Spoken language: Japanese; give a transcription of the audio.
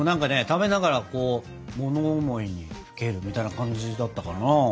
食べながらこう物思いにふけるみたいな感じだったかな。